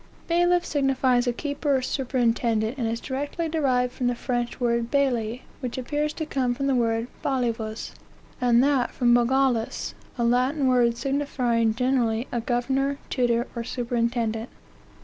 BAILIFF signifies a keeper or superintendent, and is directly derived from the French word bailli, which appears to come from the word balivus, and that from bagalus, a Latin word signifying generally a governor, tutor, or superintendent...